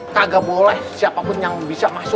kagak boleh siapapun yang bisa masuk